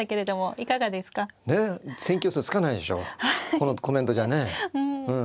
このコメントじゃねうん。